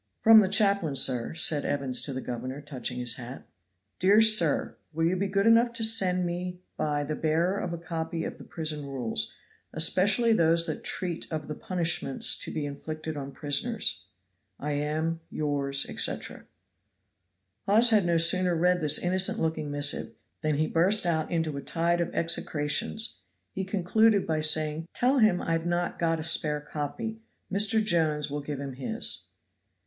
"From the chaplain, sir," said Evans to the governor, touching his hat. "DEAR SIR Will you be good enough to send me by the bearer a copy of the prison rules, especially those that treat of the punishments to be inflicted on prisoners? "I am, "Yours, etc." Hawes had no sooner read this innocent looking missive, than he burst out into a tide of execrations; he concluded by saying, "Tell him I have not got a spare copy; Mr. Jones will give him his."